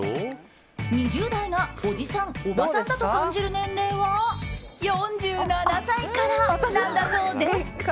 ２０代がおじさん・おばさんだと感じる年齢は４７歳からなんだそうです。